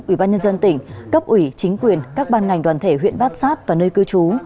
ủy ban nhân dân tỉnh cấp ủy chính quyền các ban ngành đoàn thể huyện bát sát và nơi cư trú